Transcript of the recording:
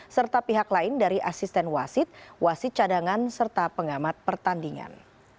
serta pihak lain dari asisten wasit wasit cadangan serta pengamat pertandingan